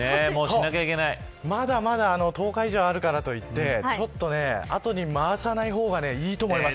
まだまだ１０日以上あるからといって後に回さない方がいいと思います。